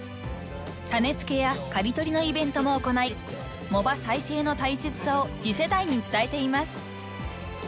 ［種付けや刈り取りのイベントも行い藻場再生の大切さを次世代に伝えています］